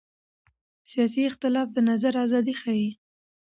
سیاسي اختلاف د نظر ازادي ښيي